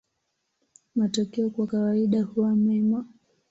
Matokeo kwa kawaida huwa mema.